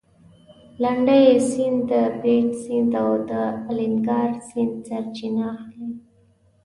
لنډی سیند د پېج سیند او د الینګار سیند سرچینه اخلي.